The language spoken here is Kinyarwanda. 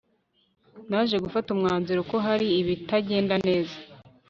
Naje gufata umwanzuro ko hari ibitagenda neza